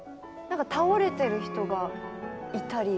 倒れてる人がいたり。